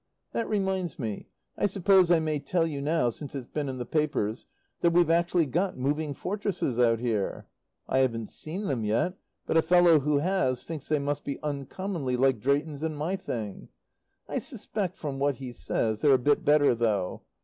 That reminds me, I suppose I may tell you now since it's been in the papers, that we've actually got Moving Fortresses out here. I haven't seen them yet, but a fellow who has thinks they must be uncommonly like Drayton's and my thing. I suspect, from what he says, they're a bit better, though.